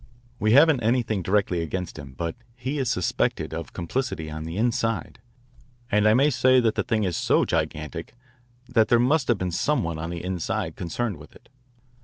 We haven't anything directly against him, but he is suspected of complicity on the inside, and I may say that the thing is so gigantic that there must have been some one on the inside concerned with it.